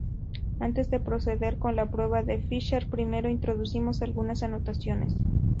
Antes de proceder con la prueba de Fisher, primero introducimos algunas anotaciones.